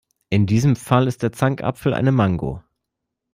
In diesem Fall ist der Zankapfel eine Mango.